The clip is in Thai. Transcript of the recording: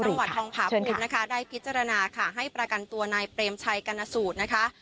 จังหวัดทองผาพุมได้พิจารณาให้ประกันตัวนายเบรมชัยกัณศูนย์นะคะ